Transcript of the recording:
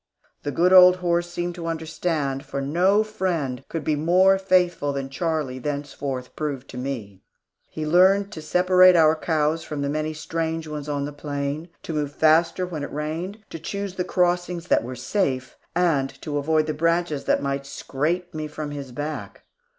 The good old horse seemed to understand, for no friend could be more faithful than Charlie thenceforth proved to me. He learned to separate our cows from the many strange ones on the plain; to move faster when it rained; to choose the crossings that were safe; and to avoid the branches that might scrape me from his back.